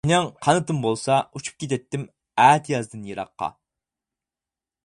مېنىڭ قانىتىم بولسا، ئۇچۇپ كېتەتتىم ئەتىيازدىن يىراققا.